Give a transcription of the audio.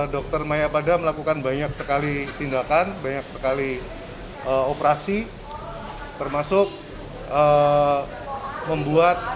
dokter mayapada melakukan banyak sekali tindakan banyak sekali operasi termasuk membuat